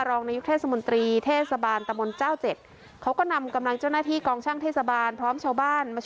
รองนายุทรรมธระสบาลตะมนต์เจ้า๗เค้าก็นำกำลังเจ้าหน้าที่กองช่างเทศบาลพร้อมชาวบ้าน